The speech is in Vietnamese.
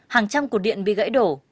hàng trăm cụt điện bị gãy đổ